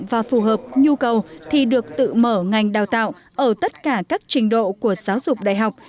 và phù hợp nhu cầu thì được tự mở ngành đào tạo ở tất cả các trình độ của giáo dục đại học